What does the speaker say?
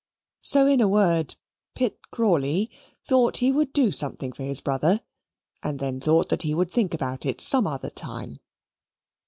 So, in a word, Pitt Crawley thought he would do something for his brother, and then thought that he would think about it some other time.